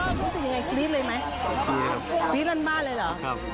รู้สึกยังไงครีฟเลยไหมครีฟครั้นบ้านเลยหรอครับ